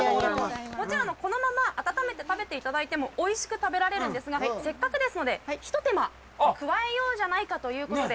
このまま温めて食べていただいてもおいしく食べられるんですが、せっかくですので、一手間加えようじゃないかということで。